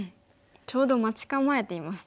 ちょうど待ち構えていますね。